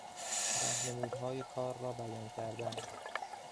رهنمودهای کار را بیان کردن